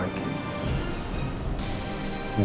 jangan pernah menjadikan kamioi